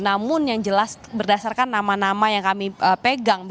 namun yang jelas berdasarkan nama nama yang kami pegang